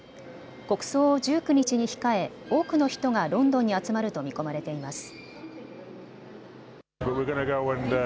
国葬を１９日に控え、多くの人がロンドンに集まると見込まれています。